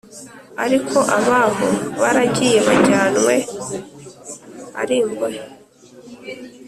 Ariko abaho baragiye bajyanywe ari imbohe